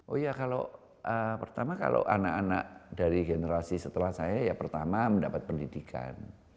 oh iya kalau pertama kalau anak anak dari generasi setelah saya ya pertama mendapat pendidikan